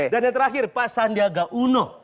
yang terakhir pak sandiaga uno